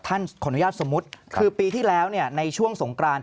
ขออนุญาตสมมุติคือปีที่แล้วในช่วงสงกราน